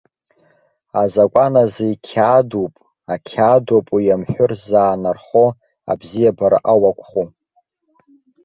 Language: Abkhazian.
Азакәан азы иқьаадуп, ақьаадоуп уи амҳәыр заанархо, абзиабара ауакәху.